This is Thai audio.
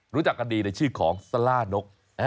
รู้จักกันดีในชื่อของซาล่านก